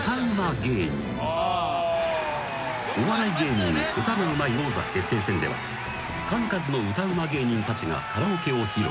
［『お笑い芸人歌がうまい王座決定戦』では数々の歌うま芸人たちがカラオケを披露］